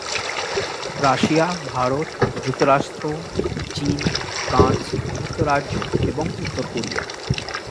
Russia, Bharat, যুক্তরাষ্ট্র, চীন, France, যুক্তরাজ্য এবং উত্তর কোরিয়া।